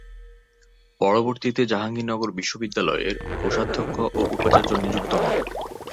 পরবর্তীতে জাহাঙ্গীরনগর বিশ্ববিদ্যালয়ের কোষাধ্যক্ষ ও উপাচার্য নিযুক্ত হন।